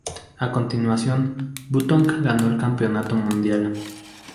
A continuación, Button ganó el Campeonato Mundial.